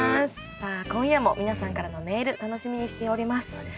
さあ今夜も皆さんからのメール楽しみにしております。